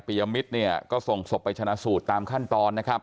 ยมิตรเนี่ยก็ส่งศพไปชนะสูตรตามขั้นตอนนะครับ